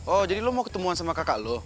oh jadi lo mau ketemuan sama kakak lo